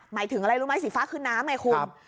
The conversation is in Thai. หมายถึงอะไรรู้ไหมสีฟ้าคือน้ำไงคุณ